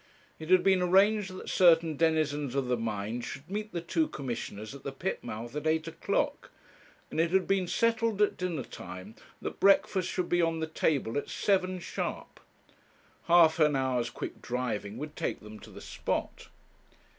It had been arranged that certain denizens of the mine should meet the two Commissioners at the pit mouth at eight o'clock, and it had been settled at dinner time that breakfast should be on the table at seven, sharp. Half an hour's quick driving would take them to the spot.